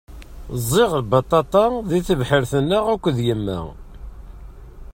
Ẓẓiɣ baṭaṭa di tebḥirt-nneɣ akked yemma.